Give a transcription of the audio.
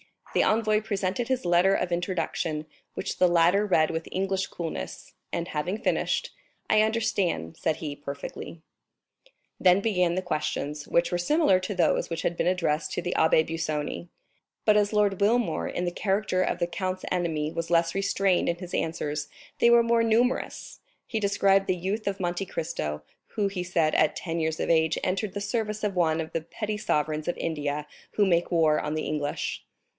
The envoy presented his letter of introduction, which the latter read with English coolness, and having finished: "I understand," said he, "perfectly." 30293m Then began the questions, which were similar to those which had been addressed to the Abbé Busoni. But as Lord Wilmore, in the character of the count's enemy, was less restrained in his answers, they were more numerous; he described the youth of Monte Cristo, who he said, at ten years of age, entered the service of one of the petty sovereigns of India who make war on the English.